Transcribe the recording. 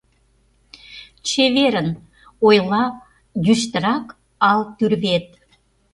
— Чеверын! — ойла йӱштырак ал тӱрвет.